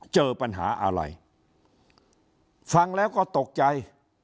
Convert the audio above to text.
เจอปัญหาอะไรฟังแล้วก็ตกใจ